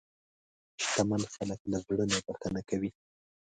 شتمن خلک له زړه نه بښنه کوي.